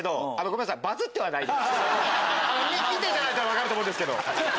見ていただいたら分かると思うんですけど。